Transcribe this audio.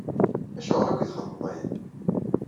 Acuɣer akk i txedmeḍ aya?